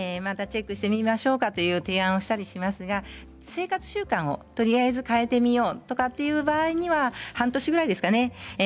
チェックをしてみましょうかという提案をしたりしますけれど生活習慣をとりあえず変えてみようとかという場合には半年ぐらいですかね。